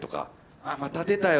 「ああまた出たよ